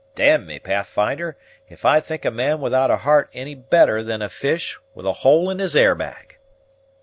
D me, Pathfinder, if I think a man without a heart any better than a fish with a hole in his air bag."